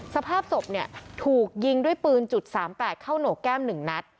สภาพศพเนี่ยถูกยิงด้วยปืน๓๘เข้าโหนกแก้ม๑นัด